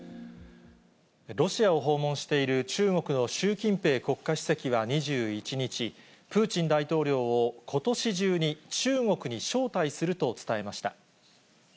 ロシアを訪問している中国の習近平国家主席は２１日、プーチン大統領をことし中に中国に招待すると伝えました。